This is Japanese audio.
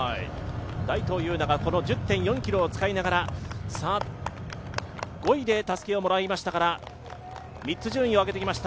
大東優奈がこの１０．４ｋｍを使いながら、５位でたすきをもらいましたから３つ順位を上げてきました。